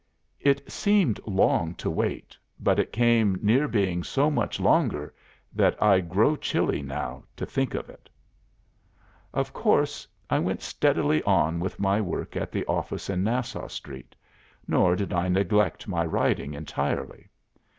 It seemed long to wait; but it came near being so much longer, that I grow chilly now to think of it." "Of course, I went steadily on with my work at the office in Nassau Street, nor did I neglect my writing entirely.